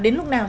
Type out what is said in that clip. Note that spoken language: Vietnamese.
đến lúc nào